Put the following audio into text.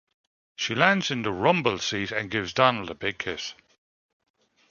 She lands in the rumble seat and gives Donald a big kiss.